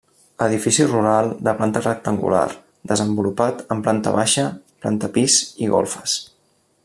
Edifici rural de planta rectangular, desenvolupat en planta baixa, planta pis i golfes.